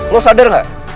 lo sadar gak